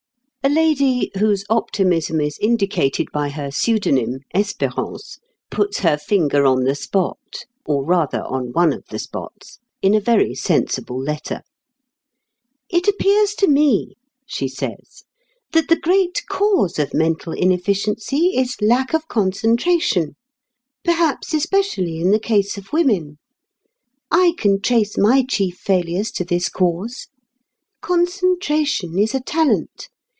A lady, whose optimism is indicated by her pseudonym, "Espérance," puts her finger on the spot, or, rather, on one of the spots, in a very sensible letter. "It appears to me," she says, "that the great cause of mental inefficiency is lack of concentration, perhaps especially in the case of women. I can trace my chief failures to this cause. Concentration, is a talent.